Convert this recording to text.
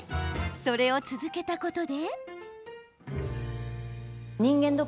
それを続けたことで。